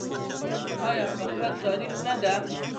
آیا په خپل تاریخ نه ده؟